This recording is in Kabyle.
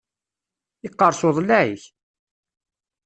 Yeqqereṣ uḍellaɛ-ik!